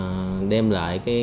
rồi có thể làm lẩu cà xỉu